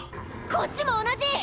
こっちも同じ！